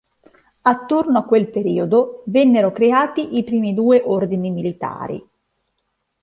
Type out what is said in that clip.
Attorno a quel periodo vennero creati i primi due ordini militari.